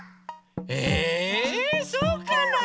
えそうかなあ？